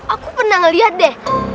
aku pernah ngeliat deh